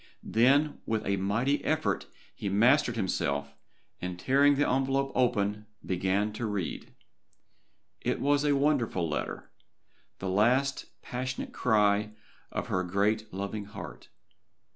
Then with a mighty effort he mastered himself, and tearing the envelope open began to read. It was a wonderful letter. The last passionate cry of her great loving heart.